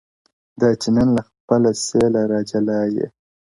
• دا چي نن له خپله سېله را جلا یې -